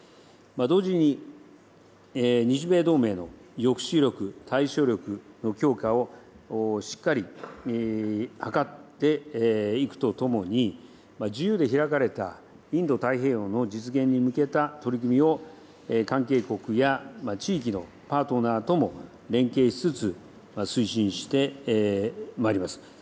同時に、日米同盟の抑止力、対処力の強化をしっかり図っていくとともに、自由で開かれたインド太平洋の実現に向けた取り組みを、関係国や地域のパートナーとも連携しつつ、推進してまいります。